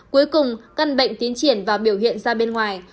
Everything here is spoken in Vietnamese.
cuối cùng căn bệnh tiến triển và biểu hiện ra bên ngoài